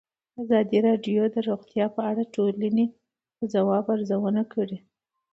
ازادي راډیو د روغتیا په اړه د ټولنې د ځواب ارزونه کړې.